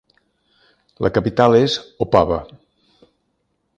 La capital és Opava.